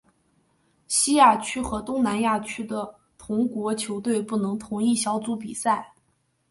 西亚区和东南亚区的同国球队不能同一小组比赛。